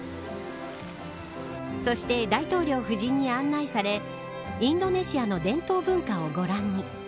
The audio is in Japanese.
そして、大統領夫人に案内されインドネシアの伝統文化をご覧に。